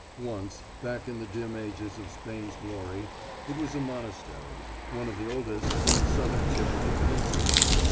Once, back in the dim ages of Spain's glory, it was a monastery, one of the oldest in the southern tip of the peninsula.